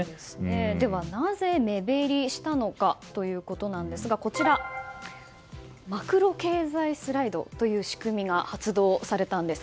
では、なぜ目減りしたのかということですがマクロ経済スライドという仕組みが発動されたんです。